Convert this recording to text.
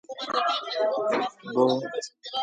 نیشانەکانی چەند ڕۆژێک دەخایەنێت و نامێنێت.